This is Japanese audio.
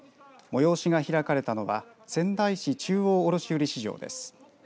催しが開かれたのは仙台市中央卸売市場です。